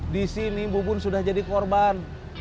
di sini ibu bun sudah jadi korban